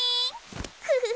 フフフフ。